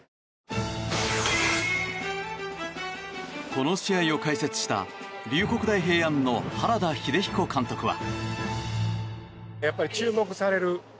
この試合を解説した竜谷大平安の原田英彦監督は。